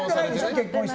結婚して。